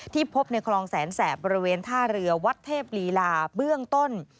พบในคลองแสนแสบบริเวณท่าเรือวัดเทพลีลาเบื้องต้น